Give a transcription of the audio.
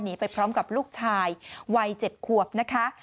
ไปพร้อมกับลูกชายวัย๗ขวบนะคะ